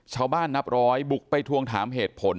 ชาวบ้านนับร้อยบุกไปทวงถามเหตุผล